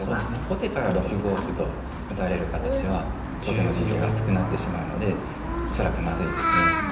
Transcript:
後手から６五歩と打たれる形は後手の陣形が厚くなってしまうので恐らくまずいですね。